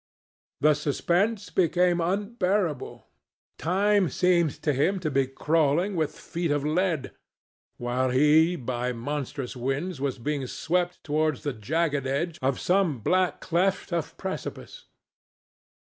The suspense became unbearable. Time seemed to him to be crawling with feet of lead, while he by monstrous winds was being swept towards the jagged edge of some black cleft of precipice.